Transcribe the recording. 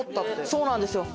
そうなんですよ。